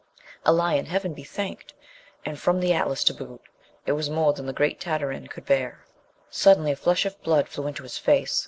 A lion, heaven be thanked! and from the Atlas, to boot! It was more than the great Tartarin could bear. Suddenly a flush of blood flew into his face.